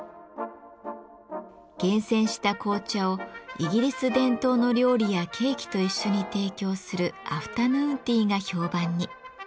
厳選した紅茶をイギリス伝統の料理やケーキと一緒に提供するアフタヌーンティーが評判に。